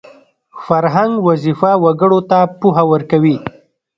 فرهنګ وظیفه وګړو ته پوهه ورکوي